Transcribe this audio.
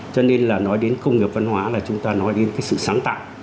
cho nên là nói đến công nghiệp văn hóa là chúng ta nói đến cái sự sáng tạo